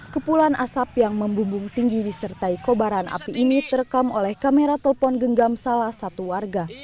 kepulan asap yang membumbung tinggi disertai kobaran api ini terekam oleh kamera telepon genggam salah satu warga